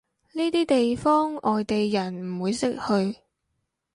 呢啲地方外地人唔會識去